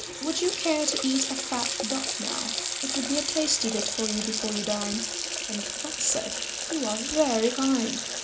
Would you care to eat a fat Duck now? It would be a tasty bit for you before you dine." And Fox said, "You are very kind.